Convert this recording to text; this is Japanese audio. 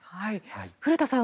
古田さん